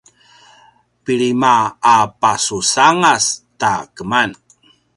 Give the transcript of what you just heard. pilima a pasusangas ta keman